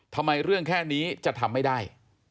ทำไมเรื่องแค่นี้จะทำไม่ได้